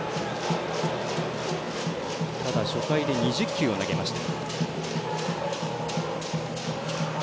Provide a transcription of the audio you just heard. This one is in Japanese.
ただ、初回で２０球を投げました。